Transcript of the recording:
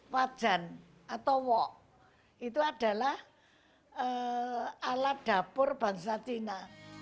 wajan atau wok itu adalah alat dapur bangsa china